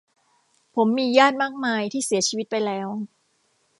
ผมมีญาติมากมาย ที่เสียชีวิตไปแล้ว